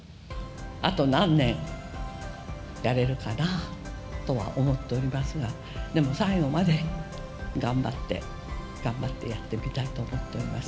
あと何年やれるかなとは思っておりますが、でも、最後まで頑張って頑張ってやってみたいと思っております。